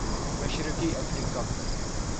مشرقی افریقہ